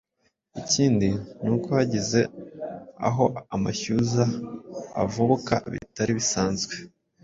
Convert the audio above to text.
Ikindi ni uko hagize aho amashyuza avubuka bitari bisanzwe